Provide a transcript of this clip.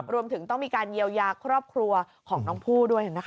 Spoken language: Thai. รวมถึงต้องมีการเยียวยาครอบครัวของน้องผู้ด้วยนะคะ